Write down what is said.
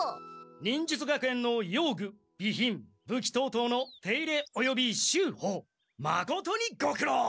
忍術学園の用具備品武器等々の手入れおよび修補まことにごくろう！